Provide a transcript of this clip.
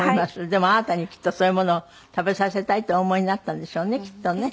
でもあなたにきっとそういうものを食べさせたいとお思いになったんでしょうねきっとね。